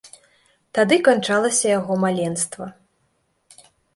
Тады канчалася яго маленства.